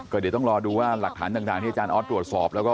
ก็เดี๋ยวต้องรอดูว่าหลักฐานทางที่อาทรวจสอบและก็